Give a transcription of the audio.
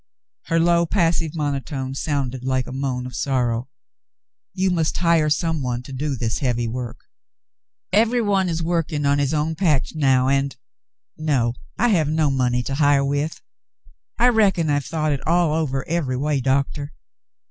Her low, passive mono tone sounded like a moan of sorrow. "You must hire some one to do this heavy work. Every one is working his own patch now, and — no, I have no money to hire with. I reckon I've thought it all over every way. Doctor."